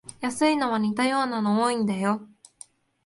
安いのは似たようなの多いんだよ